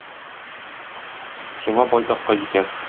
Сиңа байтакка җитәр.